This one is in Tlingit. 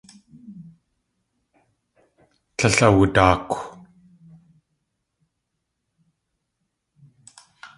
Tlél awudaakw.